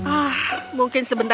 ah mungkin seharusnya